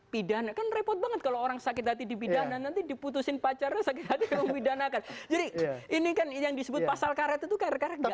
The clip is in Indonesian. pidana kan repot banget kalau orang sakit hati di bidana nanti diputusin pacarnya sakit hati memidanakan jadi ini kan yang disebut pasal karet itu kan rekan rekan saja